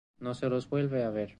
No se los vuelve a ver.